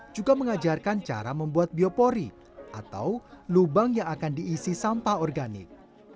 juga mengajarkan cara membuat biopori atau lubang yang akan diisi sampah organik